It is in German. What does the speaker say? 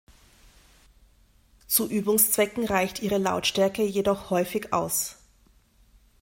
Zu Übungszwecken reicht ihre Lautstärke jedoch häufig aus.